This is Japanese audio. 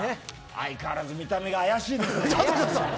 相変わらず見た目があやしいですね。